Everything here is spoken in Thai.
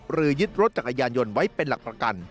ยึดรถจักรยานยนต์ไว้เป็นหลักประกัน